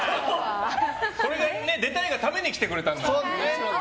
これに出たいがために来てくれたんだからね。